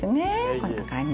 こんな感じ。